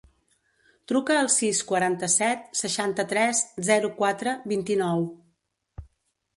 Truca al sis, quaranta-set, seixanta-tres, zero, quatre, vint-i-nou.